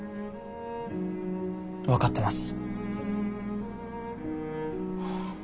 分かってます。